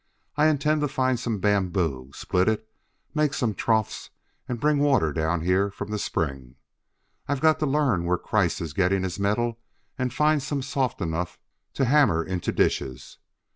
I intend to find some bamboo, split it, make some troughs, and bring water down here from the spring. I've got to learn where Kreiss is getting his metal and find some soft enough to hammer into dishes.